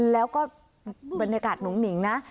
แล้วก็บรรยากาศหนุ่งหนิงนะ